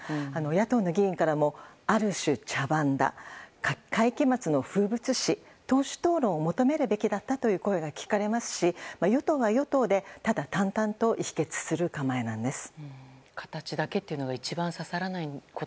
野党の議員からもある種、茶番だ会期末の風物詩、党首討論を求めるべきだったという声が聴かれますし与党は与党でただ淡々と否決する構えなんです。